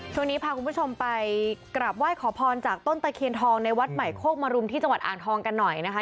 ช่วงนี้พาคุณผู้ชมไปกราบไหว้ขอพรจากต้นตะเคียนทองในวัดใหม่โคกมรุมที่จังหวัดอ่างทองกันหน่อยนะคะ